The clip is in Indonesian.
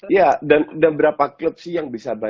ya dan berapa klub itu juga bisa menang